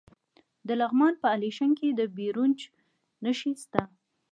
د لغمان په الیشنګ کې د بیروج نښې شته.